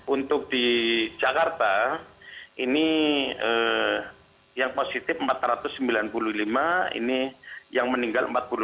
untuk di jakarta ini yang positif empat ratus sembilan puluh lima ini yang meninggal empat puluh delapan